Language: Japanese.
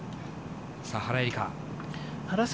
原英莉花。